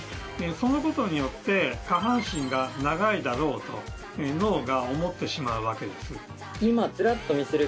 そのことによって下半身が長いだろうと脳が思ってしまうわけです。